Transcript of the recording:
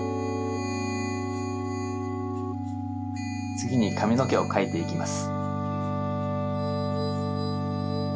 つぎにかみのけを描いていきます。